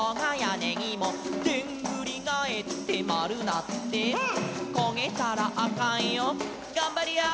「でんぐりがえってまるなって」「こげたらあかんよがんばりやー」